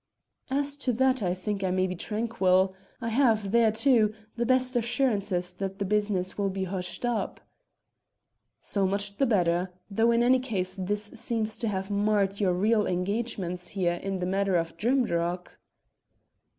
"As to that I think I may be tranquil. I have, there too, the best assurances that the business will be hushed up." "So much the better, though in any case this seems to have marred your real engagements here in the matter of Drimdarroch."